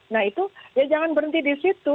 nah itu ya jangan berhenti di situ